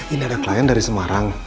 ini ada klien dari semarang